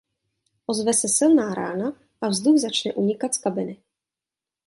Ozve se silná rána a vzduch začne unikat z kabiny.